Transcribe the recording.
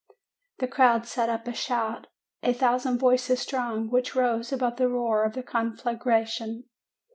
"The crowd set up a shout a thousand voices strong, which rose above the roar of the conflagration.